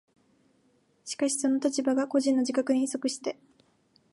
しかしその立場が個人の自覚に即して